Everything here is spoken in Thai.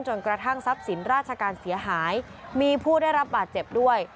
กระทั่งทรัพย์สินราชการเสียหายมีผู้ได้รับบาดเจ็บด้วย